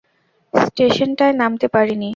স্টেশনটায় নামতে পারিনি।